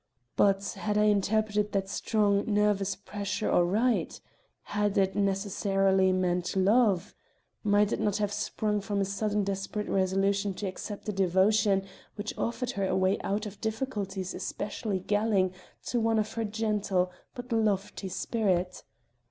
But, had I interpreted that strong, nervous pressure aright? Had it necessarily meant love? Might it not have sprung from a sudden desperate resolution to accept a devotion which offered her a way out of difficulties especially galling to one of her gentle but lofty spirit?